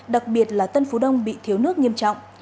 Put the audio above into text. đặc biệt là tân phú đông bị thiếu nước nghiêm trọng